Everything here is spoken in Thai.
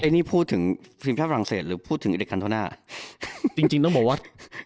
ไอ้นี่พูดถึงทีมชาติฝรั่งเศสหรือพูดถึงจริงจริงต้องบอกว่า